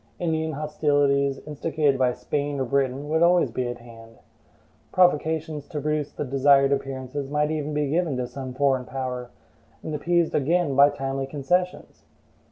Indian hostilities, instigated by Spain or Britain, would always be at hand. Provocations to produce the desired appearances might even be given to some foreign power, and appeased again by timely concessions.